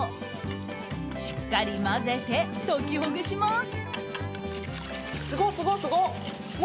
しっかり混ぜて、溶きほぐします。